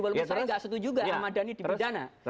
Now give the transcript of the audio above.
walaupun sekarang tidak setuju ahmad dhani di perdana